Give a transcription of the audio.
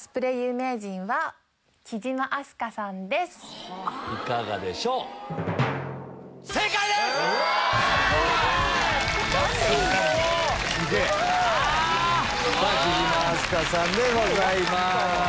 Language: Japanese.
貴島明日香さんでございます。